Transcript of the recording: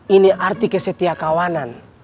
ini arti kesetiakawanan